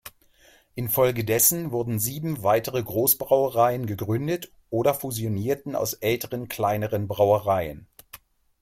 Infolgedessen wurden sieben weitere Großbrauereien gegründet oder fusionierten aus älteren kleineren Brauereien.